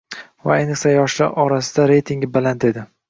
va ayniqsa, yoshlar orasida reytingi baland edi.